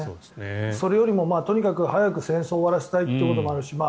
それよりも、とにかく早く戦争を終わらせたいということもあるし